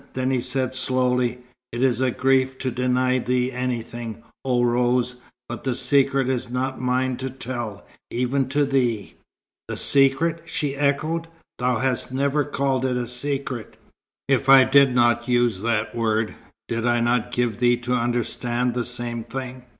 Then he said slowly; "It is a grief to deny thee anything, oh Rose, but the secret is not mine to tell, even to thee." "The secret!" she echoed. "Thou hast never called it a secret." "If I did not use that word, did I not give thee to understand the same thing?"